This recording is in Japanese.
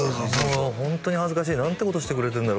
もうホントに恥ずかしい何てことしてくれてんだろ